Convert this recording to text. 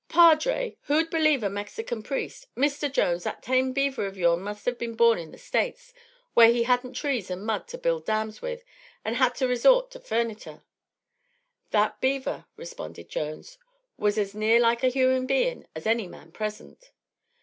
"Padre! who'd believe a Mexican priest? Mr. Jones, that tame beaver of your'n must have been born in the States, where he hadn't trees and mud to build dams with, and had to resort to furnitur." "That beaver," responded Jones, "was as near like a human bein' as any man present."